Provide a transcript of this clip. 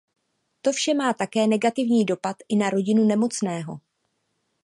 To vše má také negativní dopad i na rodinu nemocného.